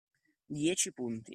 Dieci punti.